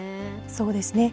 そうですね。